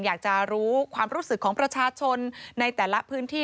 อยากจะรู้ความรู้สึกของประชาชนในแต่ละพื้นที่